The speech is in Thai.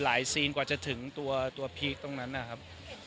ซีนกว่าจะถึงตัวพีคตรงนั้นนะครับ